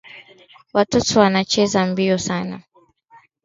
na kuzuia watu maskini wasitumie haki za kiraa